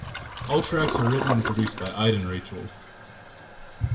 All tracks are written and produced by Idan Raichel.